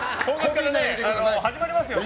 始まりますよね。